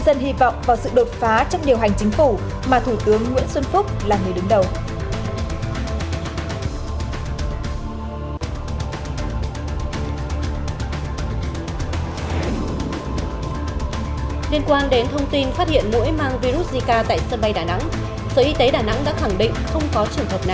xin chào và hẹn gặp lại trong các bản tin tiếp theo